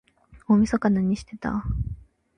大晦日なにしてた？